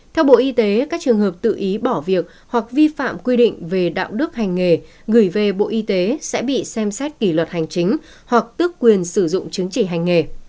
theo bộ y tế các trường hợp tự ý bỏ việc hoặc vi phạm quy định về đạo đức hành nghề gửi về bộ y tế sẽ bị xem xét kỷ luật hành chính hoặc tước quyền sử dụng chứng chỉ hành nghề